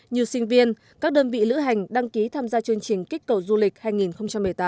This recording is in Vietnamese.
như sinh viên các đơn vị lữ hành đăng ký tham gia chương trình kích cầu du lịch hai nghìn một mươi tám